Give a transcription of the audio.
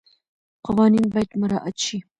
قوانین باید مراعات شي.